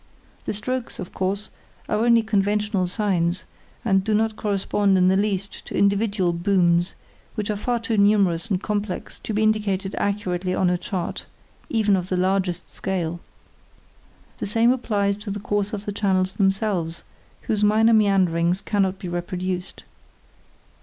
The strokes, of course, are only conventional signs, and do not correspond in the least to individual "booms", which are far too numerous and complex to be indicated accurately on a chart, even of the largest scale. The same applies to the course of the channels themselves, whose minor meanderings cannot be reproduced.